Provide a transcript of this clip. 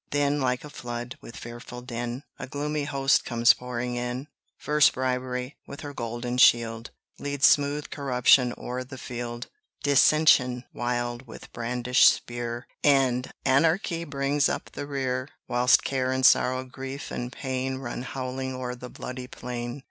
Then, like a flood, with fearful din, A gloomy host comes pouring in. First Bribery, with her golden shield, Leads smooth Corruption o'er the field; Dissension wild, with brandished spear, And Anarchy bring up the rear: Whilst Care and Sorrow, Grief and Pain Run howling o'er the bloody plain.